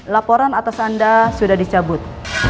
laporan atas anda sudah dicabut